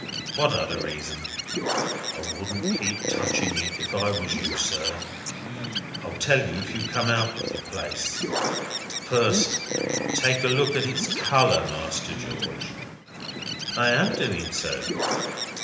"What other reason?" "(I wouldn't keep on touchin' it, if I was you, sir.) I'll tell you if you'll come out of the place. First, take a look at its colour, Master George." "I am doing so."